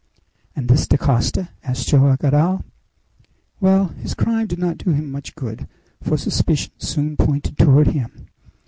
"And this Dacosta?" asked Joam Garral. "Well, his crime did not do him much good, for suspicion soon pointed toward him.